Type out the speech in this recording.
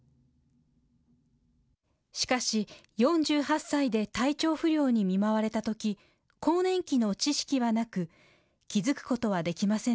しかし、４８歳で体調不良に見舞われたとき更年期の知識はなく気付くことはできませんでした。